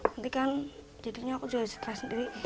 nanti kan jadinya aku jualan setelah sendiri